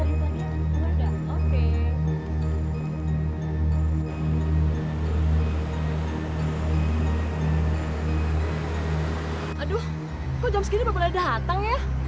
aduh kok jam segini belum boleh datang ya